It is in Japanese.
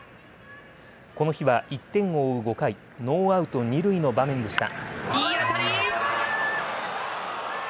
この日は１点を追う５回ノーアウト二塁の場面でした。